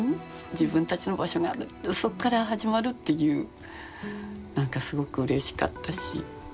自分たちの場所があるそっから始まるっていうなんかすごくうれしかったし。